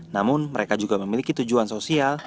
namun mereka juga memiliki tujuan sosial